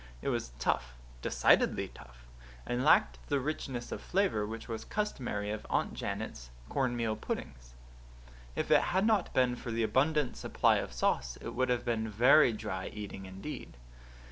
It was tough decidedly tough and lacked the richness of flavour which was customary in Aunt Janet's cornmeal puddings. If it had not been for the abundant supply of sauce it would have been very dry eating indeed.